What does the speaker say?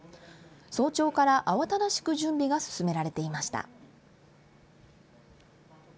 早朝から、慌ただしく準備が進められていました。